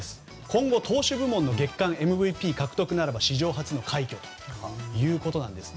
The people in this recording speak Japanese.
今後投手部門の月間ＭＶＰ獲得なれば史上初の快挙ということなんです。